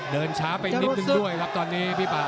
เดินช้าไปนิดนึงด้วยครับตอนนี้พี่ป่า